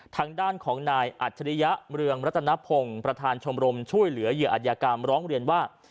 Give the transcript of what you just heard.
ทางด้านของนายอัจฉริยะเมืองรัตนพงศ์ประธานชมรมช่วยเหลือเหยื่ออัธยากรรมร้องเรียนว่า